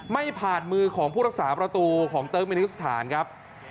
ไม่ผ่านมือของผู้รักษาประตูของเติร์กมินิสถานครับ